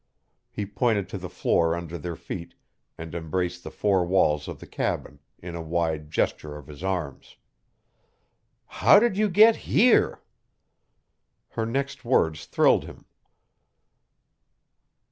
He pointed to the floor under their feet and embraced the four walls of the cabin in a wide gesture of his arms. "How did you get HERE?" Her next words thrilled him.